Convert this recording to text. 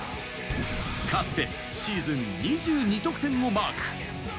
かつてシーズン２２得点をマーク。